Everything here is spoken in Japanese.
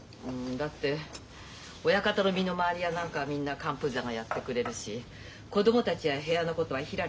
だって親方の身の回りや何かはみんな寒風山がやってくれるし子供たちや部屋のことはひらりちゃん。